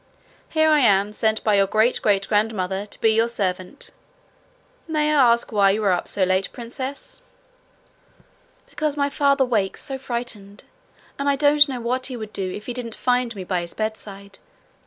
Here I am, sent by your great great grandmother, to be your servant. May I ask why you are up so late, Princess?' 'Because my father wakes so frightened, and I don't know what he would do if he didn't find me by his bedside.